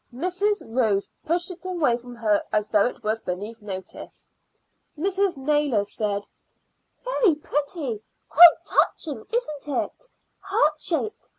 Mrs. Ross pushed it away from her as though it was beneath notice. Mrs. Naylor said: "Very pretty; quite touching, isn't it? Heart shaped.